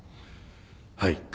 はい。